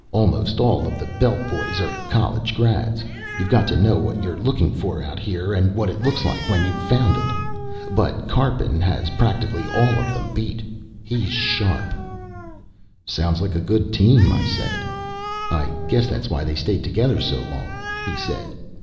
Almost all of the Belt boys are college grads you've got to know what you're looking for out here and what it looks like when you've found it but Karpin has practically all of them beat. He's sharp." "Sounds like a good team," I said. "I guess that's why they stayed together so long," he said.